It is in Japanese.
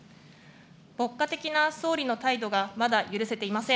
牧歌的な総理の態度がまだ許せていません。